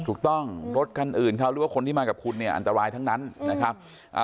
รถคันอื่นเขาหรือว่าคนที่มากับคุณเนี่ยอันตรายทั้งนั้นนะครับ